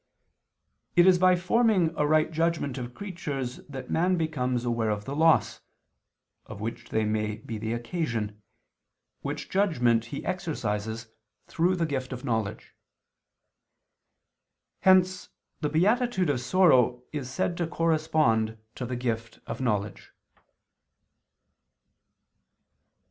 It is by forming a right judgment of creatures that man becomes aware of the loss (of which they may be the occasion), which judgment he exercises through the gift of knowledge. Hence the beatitude of sorrow is said to correspond to the gift of knowledge.